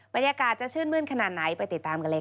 บรรยากาศจะชื่นมื้นขนาดไหนไปติดตามกันเลยค่ะ